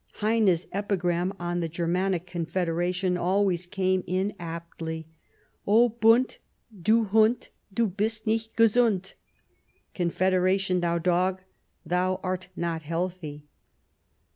Heine's epigram on the Germanic Confederation always came in aptly :" Bund, Du Hund, Du hist nicht gesund" (Confederation, thou dog, thou art not healthy